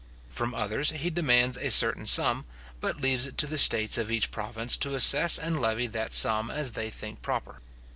From others he demands a certain sum, but leaves it to the states of each province to assess and levy that sum as they think proper.